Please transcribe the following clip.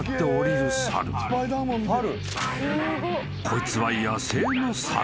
［こいつは］